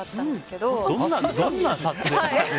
どんな撮影。